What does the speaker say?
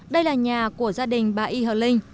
đây là nhà của gia đình bà y hờ linh